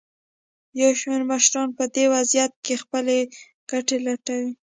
یو شمېر مشران په دې وضعیت کې خپلې ګټې لټوي.